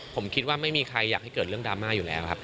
ผมคิดว่าไม่มีใครอยากให้เกิดเรื่องดราม่าอยู่แล้วครับ